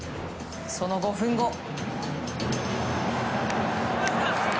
その５分後。